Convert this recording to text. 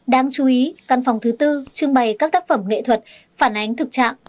đáng chú ý căn phòng thứ tư trưng bày các tác phẩm nghệ thuật phản ánh thực trạng